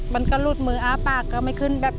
มันก็หลุดมืออ้าปากก็ไม่ขึ้นแบบ